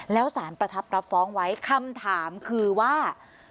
แล้วสารประทับรับฟ้องไว้คำถามคือว่า